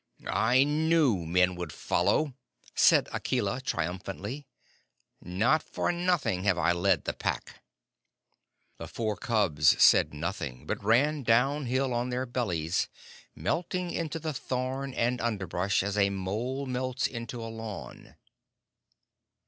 "I knew men would follow," said Akela, triumphantly. "Not for nothing have I led the Pack." The four cubs said nothing, but ran down hill on their bellies, melting into the thorn and underbrush as a mole melts into a lawn.